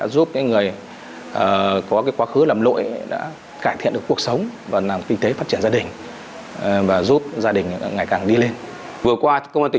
giúp những người